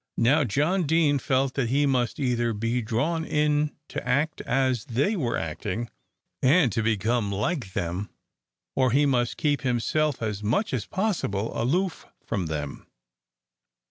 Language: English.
Now, John Deane felt that he must either be drawn in to act as they were acting, and to become like them, or he must keep himself as much as possible aloof from them.